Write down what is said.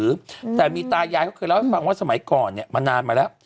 อืมแต่มีตายายเขาเคยเล่าให้ฟังว่าสมัยก่อนเนี้ยมานานมาแล้ว